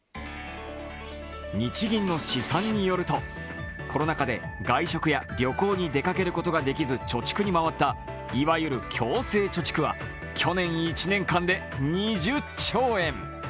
日銀の試算によると、コロナ禍で外食や旅行に出かけることができず貯蓄に回った、いわゆる強制貯蓄は去年１年間で２０兆円。